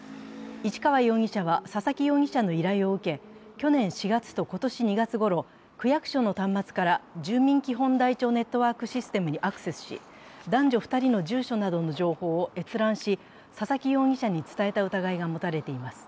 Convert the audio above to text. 市川容疑者は佐々木容疑者の依頼を受け、去年４月と今年２月ごろ、区役所の端末から住民基本台帳台帳ネットワークシステムにアクセスし男女２人の住所などの情報を閲覧し佐々木容疑者に伝えた疑いが持たれています。